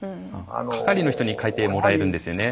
係の人に書いてもらえるんですよね。